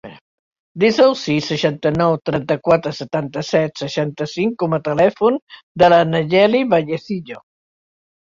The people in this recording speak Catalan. Desa el sis, seixanta-nou, trenta-quatre, setanta-set, seixanta-cinc com a telèfon de la Nayeli Vallecillo.